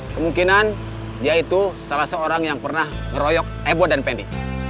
kemungkinan dia itu salah seorang yang pernah ngeroyok ebo dan fendi